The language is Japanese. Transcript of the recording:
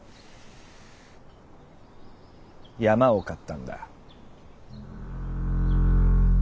山を買ったんだ。